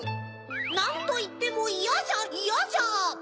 なんといってもイヤじゃイヤじゃ！